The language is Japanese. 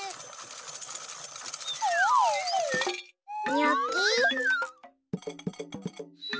にょき。